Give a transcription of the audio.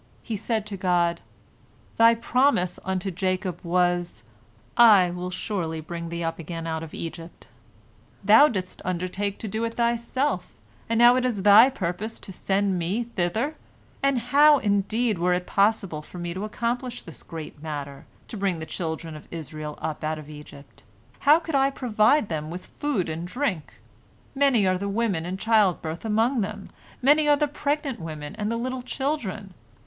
He said to God, "Thy promise unto Jacob was, 'I will surely bring thee up again out of Egypt.' Thou didst undertake to do it Thyself, and now it is Thy purpose to send me thither. And how, indeed, were it possible for me to accomplish this great matter, to bring the children of Israel up out of Egypt? How could I provide them with food and drink? Many are the women in childbirth among them, many are the pregnant women and the little children.